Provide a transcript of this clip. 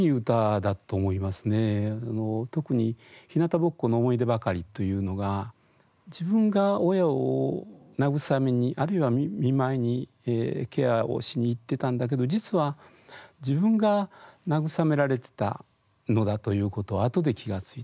特に「ひなたぼっこの思い出ばかり」というのが自分が親を慰めにあるいは見舞いにケアをしに行ってたんだけど実は自分が慰められてたのだということをあとで気が付いた。